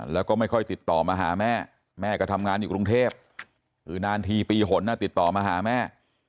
แล้วก็ไม่ค่อยติดต่อมาหาแม่แม่ก็ทำงานอยู่กรุงเทพคือนานทีปีหนติดต่อมาหาแม่